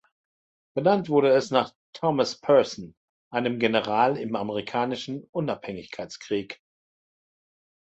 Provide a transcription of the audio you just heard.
Benannt wurde es nach Thomas Person, einem General im Amerikanischen Unabhängigkeitskrieg.